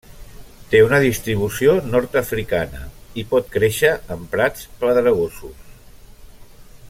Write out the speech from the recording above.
Té una distribució Nord-africana i pot créixer en prats pedregosos.